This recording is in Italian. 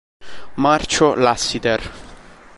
Marcio Lassiter